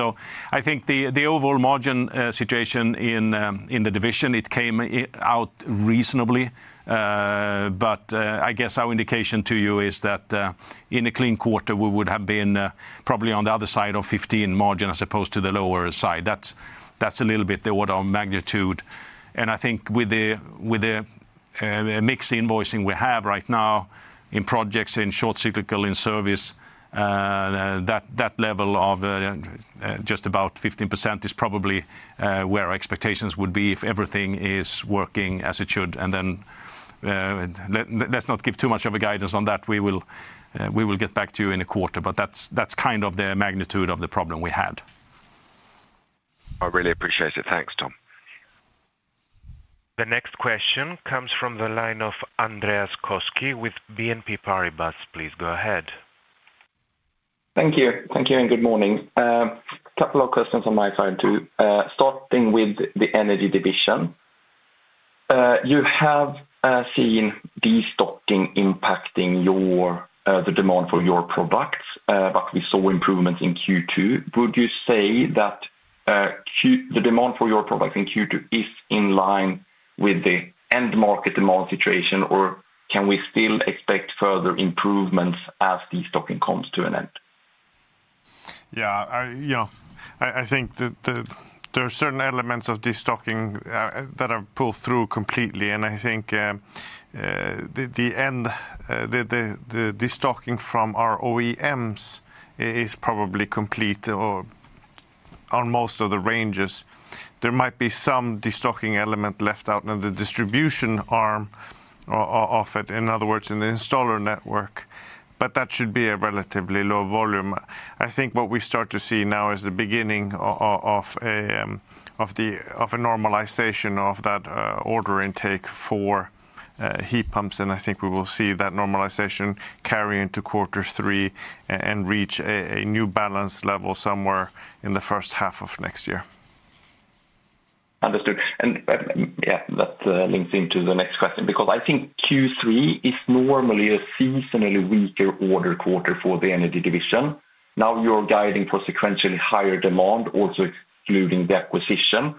Speaker 1: I think the overall margin situation in the division, it came out reasonably. I guess our indication to you is that in a clean quarter, we would have been probably on the other side of 15% margin as opposed to the lower side. That is a little bit the order of magnitude. I think with the mixed invoicing we have right now in projects, in short cyclical, in service, that level of just about 15% is probably where our expectations would be if everything is working as it should. Let us not give too much of a guidance on that. We will get back to you in a quarter. That is kind of the magnitude of the problem we had.
Speaker 10: I really appreciate it. Thanks, Tom.
Speaker 3: The next question comes from the line of Andreas Koski with BNP Paribas. Please go ahead.
Speaker 11: Thank you. Thank you and good morning. A couple of questions on my side too. Starting with the Energy Division. You have seen destocking impacting the demand for your products, but we saw improvements in Q2. Would you say that the demand for your products in Q2 is in line with the end market demand situation, or can we still expect further improvements as destocking comes to an end?
Speaker 2: Yeah. I think there are certain elements of destocking that have pulled through completely. I think the destocking from our OEMs is probably complete on most of the ranges. There might be some destocking element left out in the distribution arm of it, in other words, in the installer network, but that should be a relatively low volume. I think what we start to see now is the beginning of a normalization of that order intake for heat pumps. I think we will see that normalization carry into quarter three and reach a new balance level somewhere in the first half of next year.
Speaker 11: Understood. Yeah, that links into the next question because I think Q3 is normally a seasonally weaker order quarter for the Energy Division. Now you're guiding for sequentially higher demand, also excluding the acquisition.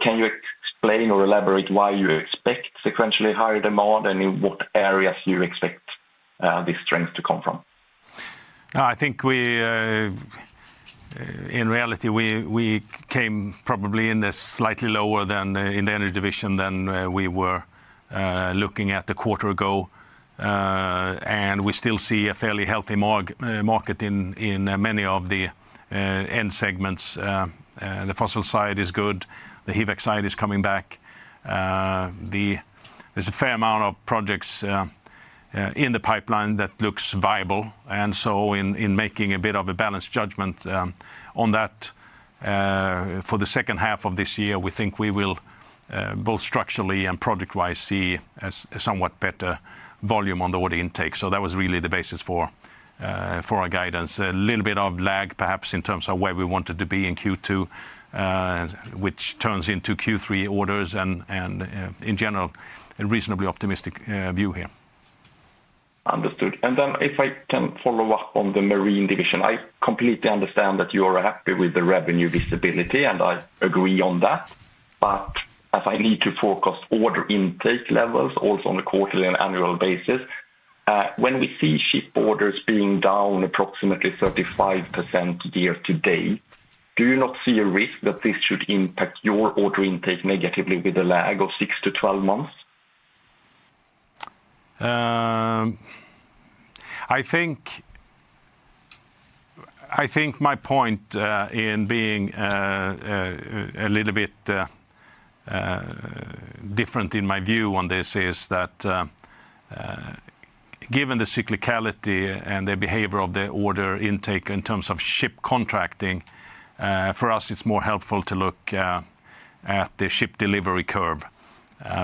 Speaker 11: Can you explain or elaborate why you expect sequentially higher demand and in what areas you expect this strength to come from?
Speaker 1: I think. In reality, we came probably in this slightly lower than in the Energy Division than we were looking at a quarter ago. We still see a fairly healthy market in many of the end segments. The fossil side is good. The HVAC side is coming back. There's a fair amount of projects in the pipeline that looks viable. In making a bit of a balanced judgment on that for the second half of this year, we think we will both structurally and project-wise see a somewhat better volume on the order intake. That was really the basis for our guidance. A little bit of lag perhaps in terms of where we wanted to be in Q2, which turns into Q3 orders and in general, a reasonably optimistic view here.
Speaker 11: Understood. If I can follow up on the Marine Division, I completely understand that you are happy with the revenue visibility, and I agree on that. As I need to forecast order intake levels also on a quarterly and annual basis, when we see ship orders being down approximately 35% year-to-date, do you not see a risk that this should impact your order intake negatively with a lag of 6-12 months?
Speaker 1: I think. My point in being a little bit different in my view on this is that, given the cyclicality and the behavior of the order intake in terms of ship contracting, for us, it's more helpful to look at the ship delivery curve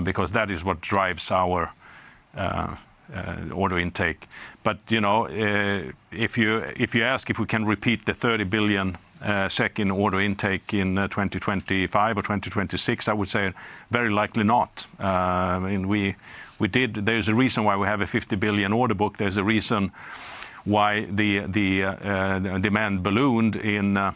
Speaker 1: because that is what drives our order intake. If you ask if we can repeat the 30 billion order intake in 2025 or 2026, I would say very likely not. There's a reason why we have a 50 billion order book. There's a reason why the demand ballooned in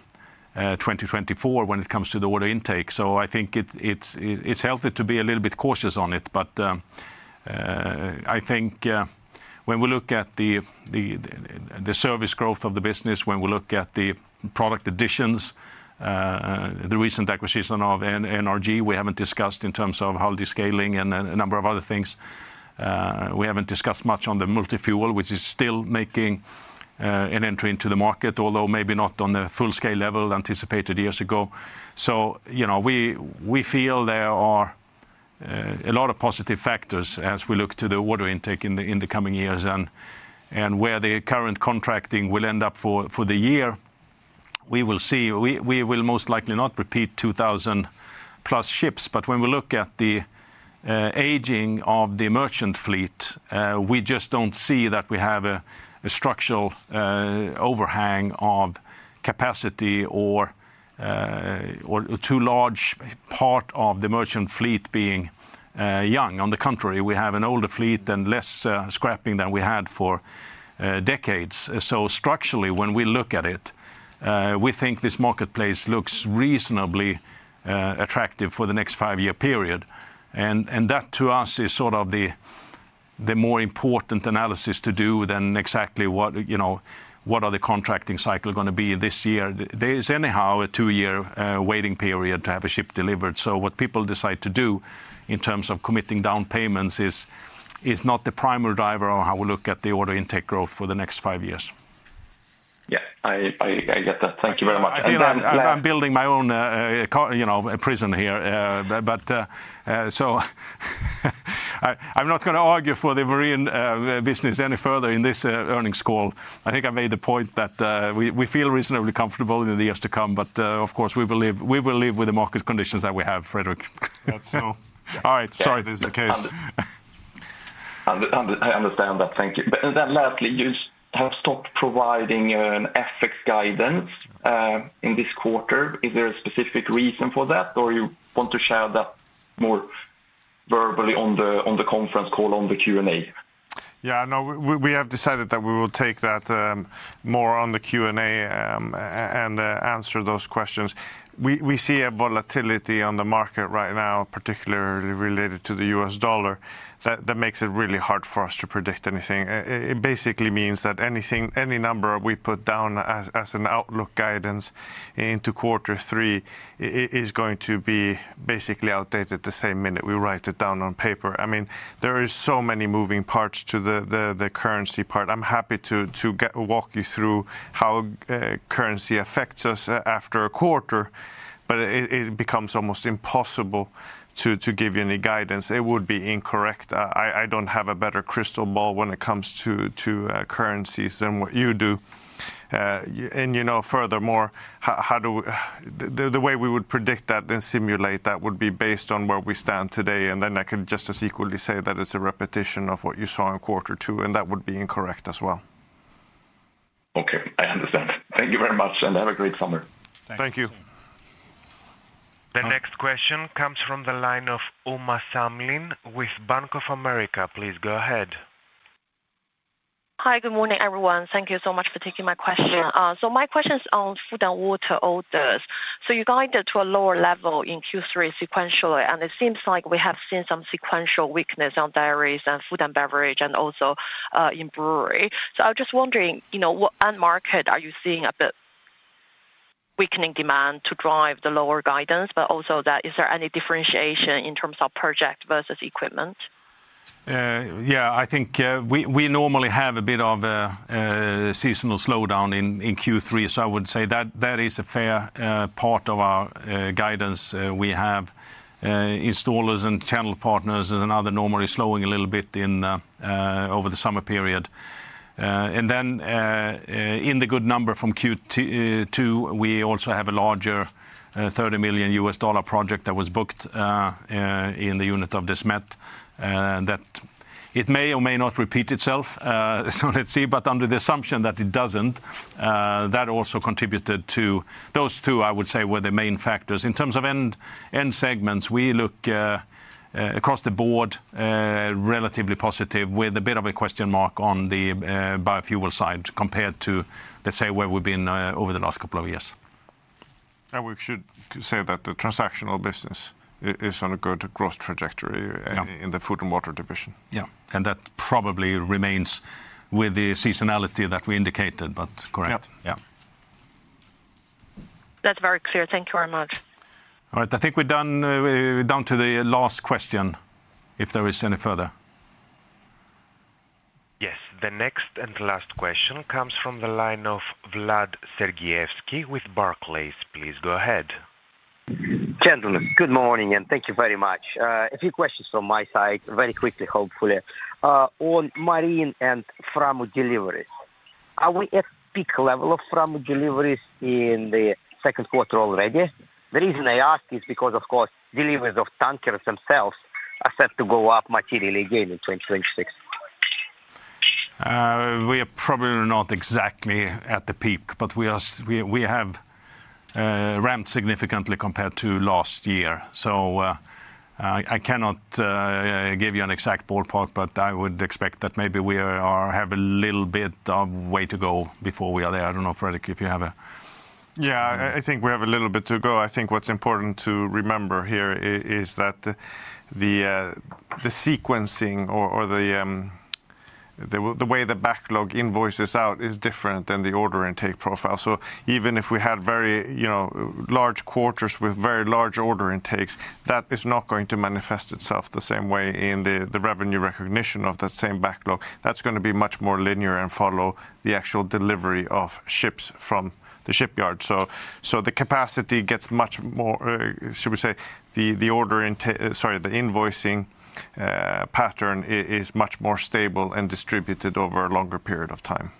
Speaker 1: 2024 when it comes to the order intake. I think it's healthy to be a little bit cautious on it. I think when we look at the service growth of the business, when we look at the product additions, the recent acquisition of NRG, we haven't discussed in terms of how the scaling and a number of other things. We haven't discussed much on the multi-fuel, which is still making an entry into the market, although maybe not on the full-scale level anticipated years ago. We feel there are a lot of positive factors as we look to the order intake in the coming years. Where the current contracting will end up for the year, we will see. We will most likely not repeat 2,000+ ships. When we look at the aging of the merchant fleet, we just don't see that we have a structural overhang of capacity or a too large part of the merchant fleet being young. On the contrary, we have an older fleet and less scrapping than we had for decades. Structurally, when we look at it, we think this marketplace looks reasonably attractive for the next five-year period. That to us is sort of the more important analysis to do than exactly what are the contracting cycle going to be this year. There is anyhow a two-year waiting period to have a ship delivered. What people decide to do in terms of committing down payments is not the primary driver on how we look at the order intake growth for the next five years.
Speaker 11: Yeah, I get that. Thank you very much.
Speaker 1: I'm building my own prison here. I'm not going to argue for the Marine business any further in this earnings call. I think I made the point that we feel reasonably comfortable in the years to come, but of course, we will live with the market conditions that we have, Fredrik.
Speaker 2: That's so.
Speaker 1: All right. Sorry.
Speaker 11: That is the case. I understand that. Thank you. Lastly, you have stopped providing an FX guidance in this quarter. Is there a specific reason for that, or you want to share that more verbally on the conference call, on the Q&A?
Speaker 2: Yeah, no, we have decided that we will take that. More on the Q&A. And answer those questions. We see a volatility on the market right now, particularly related to the U.S. dollar, that makes it really hard for us to predict anything. It basically means that any number we put down as an outlook guidance into quarter three is going to be basically outdated the same minute we write it down on paper. I mean, there are so many moving parts to the currency part. I'm happy to walk you through how currency affects us after a quarter, but it becomes almost impossible to give you any guidance. It would be incorrect. I don't have a better crystal ball when it comes to currencies than what you do. Furthermore, the way we would predict that and simulate that would be based on where we stand today. I can just as equally say that it's a repetition of what you saw in quarter two, and that would be incorrect as well.
Speaker 11: Okay, I understand. Thank you very much, and have a great summer.
Speaker 1: Thank you.
Speaker 3: The next question comes from the line of Uma Samlin with Bank of America. Please go ahead.
Speaker 12: Hi, good morning, everyone. Thank you so much for taking my question. My question is on Food & Water orders. You guided to a lower level in Q3 sequentially, and it seems like we have seen some sequential weakness on dairies and food and beverage and also in brewery. I'm just wondering, what end market are you seeing a bit weakening demand to drive the lower guidance, but also is there any differentiation in terms of project versus equipment?
Speaker 1: Yeah, I think we normally have a bit of a seasonal slowdown in Q3. I would say that is a fair part of our guidance. We have installers and channel partners and others normally slowing a little bit over the summer period. In the good number from Q2, we also have a larger $30 million project that was booked in the unit of Desmet. That may or may not repeat itself, so let's see. Under the assumption that it does not, that also contributed. Those two, I would say, were the main factors. In terms of end segments, we look across the board relatively positive with a bit of a question mark on the biofuel side compared to, let's say, where we have been over the last couple of years.
Speaker 2: The transactional business is on a good growth trajectory in the Food & Water Division.
Speaker 1: Yeah. That probably remains with the seasonality that we indicated, but correct.
Speaker 2: Yeah.
Speaker 12: That's very clear. Thank you very much.
Speaker 1: All right. I think we're down to the last question if there is any further.
Speaker 3: Yes. The next and last question comes from the line of Vlad Sergievskii with Barclays. Please go ahead.
Speaker 13: Gentlemen, good morning and thank you very much. A few questions from my side, very quickly, hopefully. On Marine and Framo deliveries, are we at peak level of Framo deliveries in the second quarter already? The reason I ask is because, of course, deliveries of tankers themselves are set to go up materially again in 2026.
Speaker 1: We are probably not exactly at the peak, but we have ramped significantly compared to last year. I cannot give you an exact ballpark, but I would expect that maybe we have a little bit of way to go before we are there. I do not know, Fredrik, if you have a...
Speaker 2: Yeah, I think we have a little bit to go. I think what is important to remember here is that the sequencing or the way the backlog invoices out is different than the order intake profile. Even if we had very large quarters with very large order intakes, that is not going to manifest itself the same way in the revenue recognition of that same backlog. That is going to be much more linear and follow the actual delivery of ships from the shipyard. The capacity gets much more, should we say, the order intake, sorry, the invoicing pattern is much more stable and distributed over a longer period of time.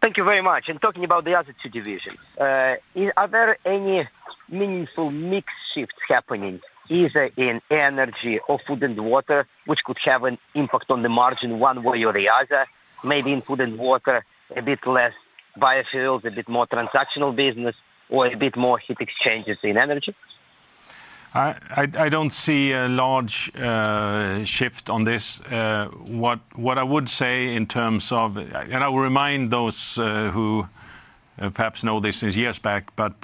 Speaker 13: Thank you very much. Talking about the other two divisions, are there any meaningful mix shifts happening either in Energy or Food & Water, which could have an impact on the margin one way or the other? Maybe in Food & Water, a bit less biofuels, a bit more transactional business, or a bit more heat exchangers in Energy?
Speaker 1: I do not see a large shift on this. What I would say in terms of, and I will remind those who perhaps know this since years back, but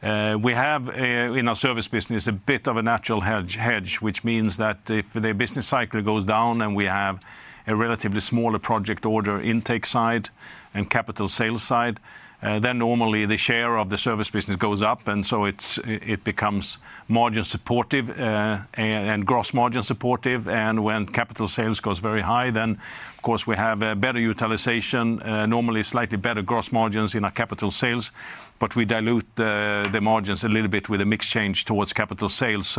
Speaker 1: we have in our service business a bit of a natural hedge, which means that if the business cycle goes down and we have a relatively smaller project order intake side and capital sales side, then normally the share of the service business goes up. It becomes margin supportive and gross margin supportive. When capital sales goes very high, then of course we have a better utilization, normally slightly better gross margins in our capital sales, but we dilute the margins a little bit with a mix change towards capital sales.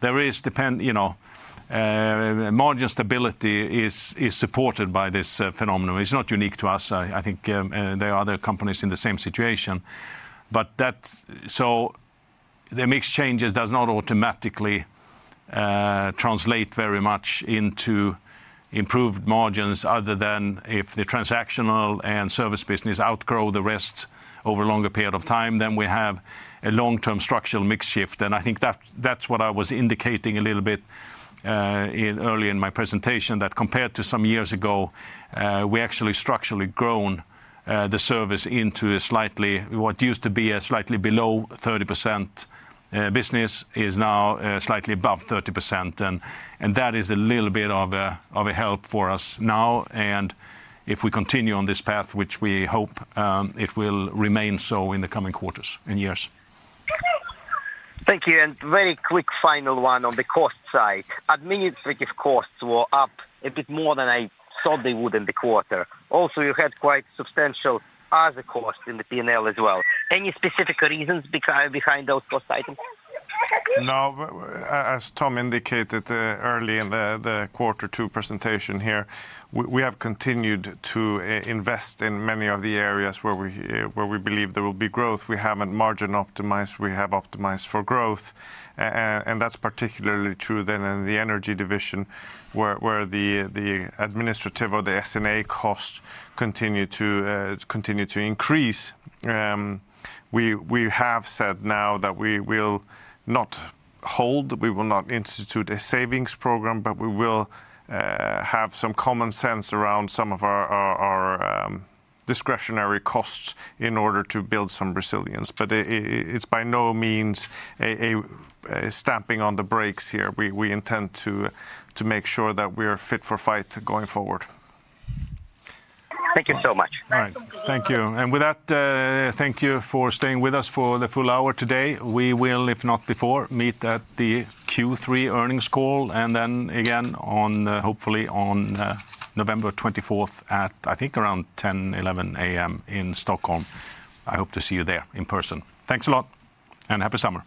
Speaker 1: There is margin stability supported by this phenomenon. It is not unique to us. I think there are other companies in the same situation. The mix changes do not automatically translate very much into improved margins other than if the transactional and service business outgrow the rest over a longer period of time, then we have a long-term structural mix shift. I think that is what I was indicating a little bit early in my presentation, that compared to some years ago, we actually structurally grown the service into a slightly, what used to be a slightly below 30% business is now slightly above 30%. That is a little bit of a help for us now. If we continue on this path, which we hope it will remain so in the coming quarters and years.
Speaker 13: Thank you. A very quick final one on the cost side. Administrative costs were up a bit more than I thought they would in the quarter. Also, you had quite substantial other costs in the P&L as well. Any specific reasons behind those cost items?
Speaker 2: No. As Tom indicated early in the quarter two presentation here, we have continued to invest in many of the areas where we believe there will be growth. We have not margin optimized. We have optimized for growth. That is particularly true in the Energy Division, where the administrative or the S&A costs continue to increase. We have said now that we will not hold, we will not institute a savings program, but we will have some common sense around some of our discretionary costs in order to build some resilience. It is by no means a stamping on the brakes here. We intend to make sure that we are fit for fight going forward.
Speaker 13: Thank you so much.
Speaker 1: All right. Thank you. And with that, thank you for staying with us for the full hour today. We will, if not before, meet at the Q3 earnings call and then again, hopefully on November 24th at I think around 10:00, 11:00 A.M. in Stockholm. I hope to see you there in person. Thanks a lot and happy summer.